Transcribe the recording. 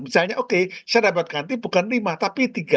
misalnya oke saya dapat ganti bukan lima tapi tiga